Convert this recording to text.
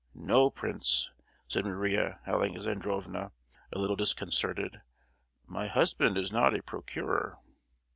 "No, prince!" said Maria Alexandrovna, a little disconcerted. "My husband is not a procurer."